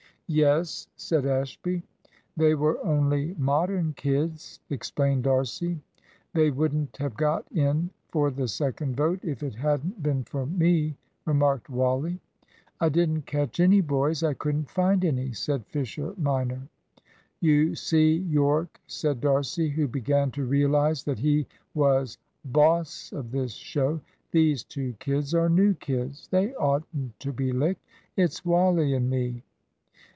"Yes," said Ashby. "They were only Modern kids," explained D'Arcy. "They wouldn't have got in for the second vote, if it hadn't been for me," remarked Wally. "I didn't catch any boys; I couldn't find any," said Fisher minor. "You see, Yorke," said D'Arcy, who began to realise that he was "boss of this show," "these two kids are new kids; they oughtn't to be licked; it's Wally and me."